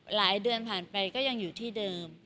หลายเดือนผ่านไปก็ยังอยู่ที่เดิม